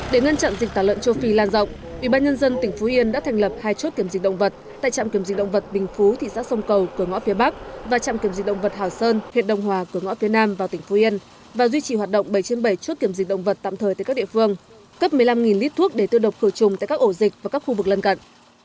để ngăn chặn dịch tả lợn châu phi lan rộng ubnd tỉnh phú yên đã thành lập hai chốt kiểm dịch động vật tại trạm kiểm dịch động vật bình phú thị xã sông cầu cửa ngõ phía bắc và trạm kiểm dịch động vật hảo sơn huyện đông hòa cửa ngõ phía nam vào tỉnh phú yên và duy trì hoạt động bảy trên bảy chốt kiểm dịch động vật tạm thời tại các địa phương cấp một mươi năm lít thuốc để tư độc khử trùng tại các ổ dịch và các khu vực lân cận